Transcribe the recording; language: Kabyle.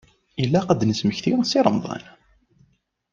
Ilaq ad nesmekti Si Remḍan.